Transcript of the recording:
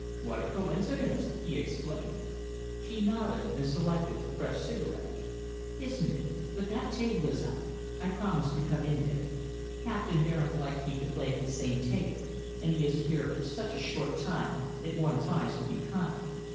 "What a coincidence!" he exclaimed. She nodded and selected a fresh cigarette. "Isn't it! But that table is up. I promised to cut in there. Captain Baring likes me to play at the same table, and he is here for such a short time that one tries to be kind.